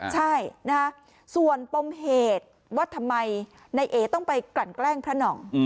ใช่นะฮะส่วนปมเหตุว่าทำไมนายเอต้องไปกลั่นแกล้งพระหน่อง